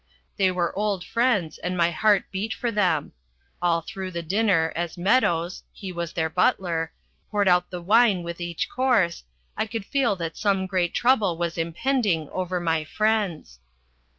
They were old friends and my heart beat for them. All through the dinner as Meadows he was their butler poured out the wine with each course, I could feel that some great trouble was impending over my friends.